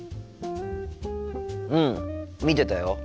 うん見てたよ。